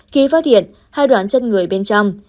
khi phát hiện hai đoạn chân người bên trong